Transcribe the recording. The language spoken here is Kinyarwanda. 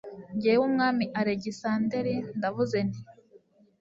jyewe umwami alegisanderi ndavuze nti